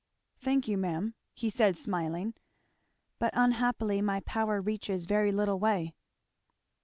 "Thank you ma'am," he said smiling. "But unhappily my power reaches very little way."